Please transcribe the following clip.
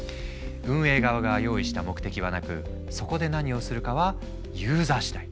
運営側が用意した目的はなくそこで何をするかはユーザー次第。